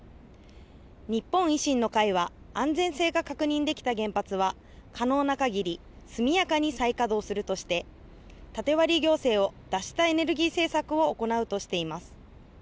日本維新の会は安全性が確認できた原発は可能な限り速やかに再稼働するとして縦割り行政を脱したエネルギー政策を行うとしています。